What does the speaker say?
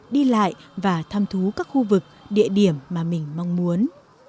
đi lại và tham thú các khu vực địa điểm mà mình mong mong